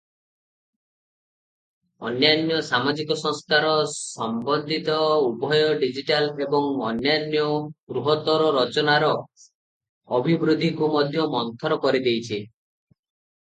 ଅନ୍ୟାନ୍ୟ ସାମାଜିକ ସଂସ୍କାର ସମ୍ବନ୍ଧିତ ଉଭୟ ଡିଜିଟାଲ ଏବଂ ଅନ୍ୟାନ୍ୟ ବୃହତ୍ତର ରଚନାର ଅଭିବୃଦ୍ଧିକୁ ମଧ୍ୟ ମନ୍ଥର କରିଦେଇଛି ।